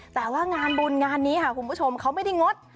แต่ว่างานบุญงานนี้ค่ะคุณผู้ชมเขาไม่ได้งด